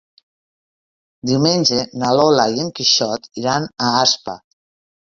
Diumenge na Lola i en Quixot iran a Aspa.